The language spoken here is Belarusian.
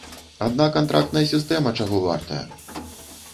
Адна кантрактная сістэма чаго вартая!